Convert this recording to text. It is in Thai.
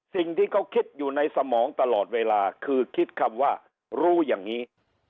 สิ่งที่เขาคิดอยู่ในสมองตลอดเวลาคือคิดคำว่ารู้อย่างนี้